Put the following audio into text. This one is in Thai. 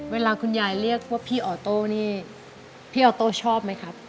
เวลาคุณยายเรียกว่าพี่ออโต้นี่พี่ออโต้ชอบไหมครับ